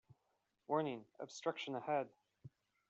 Warning! Obstruction ahead.